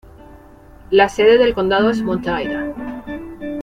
La sede del condado es Mount Ida.